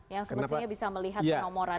yang semestinya bisa melihat nomoran itu ya